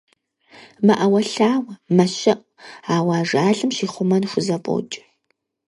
МэӀэуэлъауэ, мэщэӀу, ауэ ажалым щихъумэн хузэфӀокӀ.